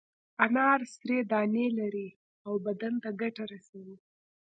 انار سرې دانې لري او بدن ته ګټه رسوي.